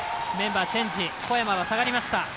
メンバーチェンジ小山が下がりました。